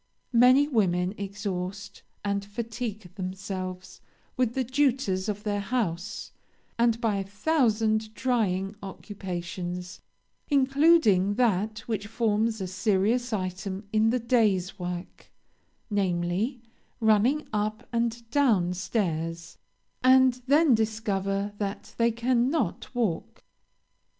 Many women exhaust and fatigue themselves with the duties of their house, and by a thousand trying occupations, including that which forms a serious item in the day's work, namely, running up and down stairs, and then discover that they cannot walk.